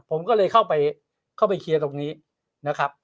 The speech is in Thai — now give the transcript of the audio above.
ผมก็เลยเข้าไปเคลียร์ตรงนี้นะครับ